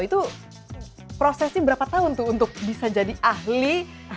itu prosesnya berapa tahun tuh untuk bisa jadi ahli